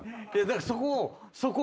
だからそこ。